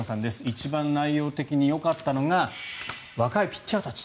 一番内容的によかったのが若いピッチャーたち。